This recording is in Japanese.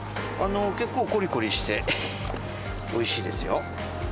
結構こりこりしておいしいんですよ。